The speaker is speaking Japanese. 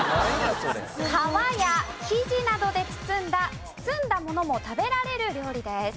皮や生地などで包んだ包んだものも食べられる料理です。